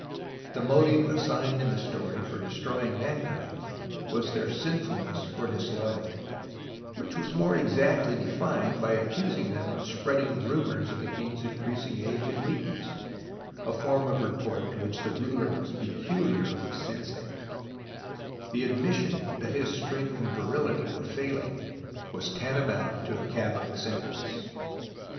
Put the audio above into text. The motive assigned in the story for destroying mankind was their sinfulness or disloyalty, which was more exactly defined by accusing them of spreading rumours of the king's in creasing age and weakness, a form of report to which the ruler was peculiarly sensitive, because the admission that his strength and virility were failing was tantamount to a capital sentence.